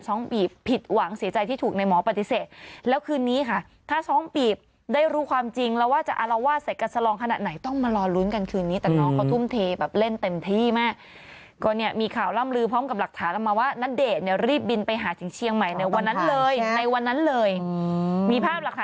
ปีบผิดหวังเสียใจที่ถูกในหมอปฏิเสธแล้วคืนนี้ค่ะถ้าสองปีบได้รู้ความจริงแล้วว่าจะอารวาสใส่กระสลองขนาดไหนต้องมารอลุ้นกันคืนนี้แต่น้องเขาทุ่มเทแบบเล่นเต็มที่มากก็เนี่ยมีข่าวล่ำลือพร้อมกับหลักฐานออกมาว่าณเดชน์เนี่ยรีบบินไปหาถึงเชียงใหม่ในวันนั้นเลยในวันนั้นเลยอืมมีภาพล่ะค่ะ